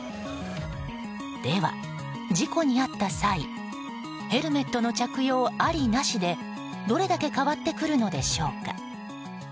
では事故に遭った際ヘルメットの着用ありなしでどれだけ変わってくるのでしょうか？